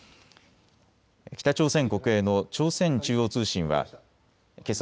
北朝鮮国営の朝鮮中央通信はけさ